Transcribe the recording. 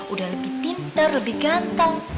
udah lebih pinter lebih ganteng